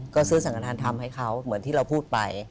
ก็ซื้อสังฆฐานทำให้เขาเหมือนที่เราพูดไป